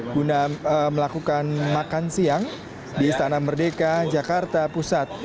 guna melakukan makan siang di istana merdeka jakarta pusat